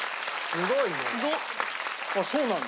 あっそうなんだ。